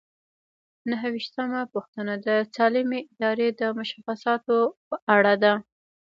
نهه ویشتمه پوښتنه د سالمې ادارې د مشخصاتو په اړه ده.